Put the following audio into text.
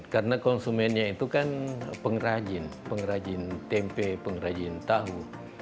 karena konsumennya itu kan pengrajin pengrajin tempe pengrajin tahu